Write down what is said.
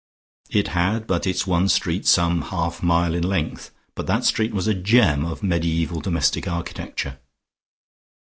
It had but its one street some half mile in length but that street was a gem of mediaeval domestic architecture.